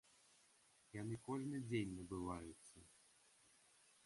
Яны кожны дзень набываюцца.